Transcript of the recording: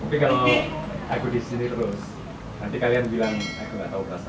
tapi kalau aku di sini terus nanti kalian bilang aku nggak tahu perasaan